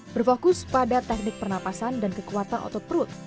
berfokus pada teknik pernapasan dan kekuatan otot perut